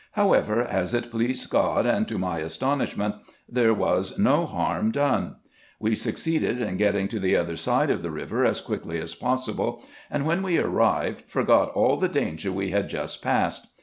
However, as it pleased God, and to my astonishment, there was no harm done. We succeeded in getting to the other side of the river as quickly as possible, and when we arrived, forgot all the danger we had just passed.